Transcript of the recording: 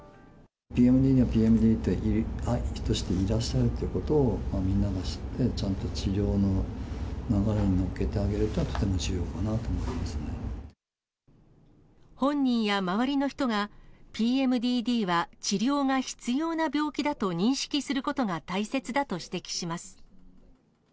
ＰＭＤＤの人がいらっしゃるということを、みんなで知って、ちゃんと治療の流れに乗っけてあげるというのがとても重要かなと本人や周りの人が、ＰＭＤＤは治療が必要な病気だと認識することが大切だと指摘します。